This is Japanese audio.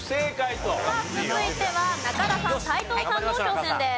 さあ続いては中田さん斎藤さんの挑戦です。